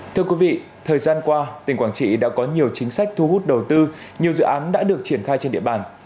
thưa quý vị thời gian qua tỉnh quảng trị đã có nhiều chính sách thu hút đầu tư nhiều dự án đã được triển khai trên địa bàn